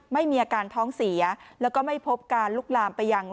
ไม่มีอาการท้องเสียแล้วก็ไม่พบการลุกลามไปยัง